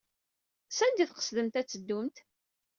Sanda ay tqesdemt ad teddumt?